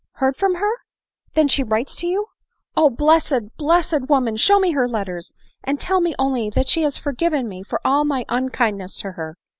" Heard from her ?" Then she writes to you ! Oh, blessed, blessed woman ! show me her letters, and tell me only that she has forgiven me for all my unkindness to her.